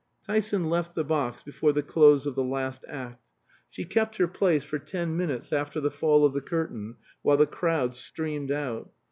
Tyson left the box before the close of the last act. She kept her place for ten minutes after the fall of the curtain, while the crowd streamed out.